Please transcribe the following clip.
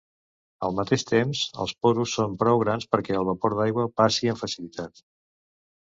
Al mateix temps, els porus són prou grans perquè el vapor d'aigua passi amb facilitat.